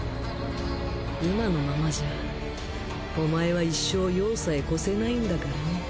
今のままじゃお前は一生葉さえ超せないんだからね。